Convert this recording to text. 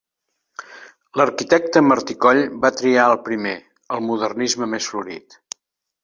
L'arquitecte Martí Coll va triar el primer, el modernisme més florit.